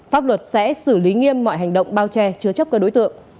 pháp luật sẽ xử lý nghiêm mọi hành động bao che chứa chấp các đối tượng